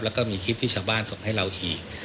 แล้วก็มีคลิปที่ชาวบ้านส่งให้เราอีก